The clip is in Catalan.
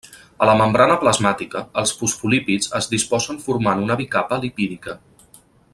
A la membrana plasmàtica, els fosfolípids es disposen formant una bicapa lipídica.